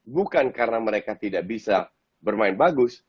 bukan karena mereka tidak bisa bermain bagus